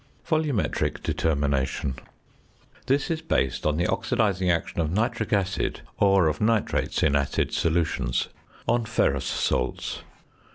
VOLUMETRIC DETERMINATION. This is based on the oxidising action of nitric acid, or of nitrates in acid solutions on ferrous salts.